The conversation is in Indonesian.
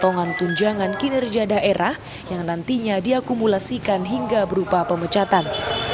potongan tunjangan kinerja daerah yang nantinya diakumulasikan hingga berupa pemecatan